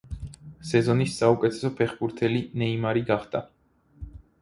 სეზონის საუკეთესო ფეხბურთელი ნეიმარი გახდა.